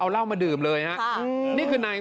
ล้านี่ชื่อชื่ออะไร